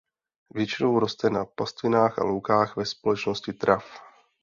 Většinou roste na pastvinách a loukách ve společnosti trav.